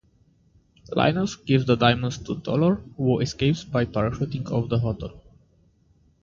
Linus gives the diamonds to Toulour, who escapes by parachuting off the hotel.